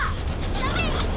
ダメ！